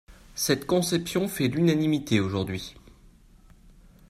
Cette conception fait l’unanimité aujourd’hui.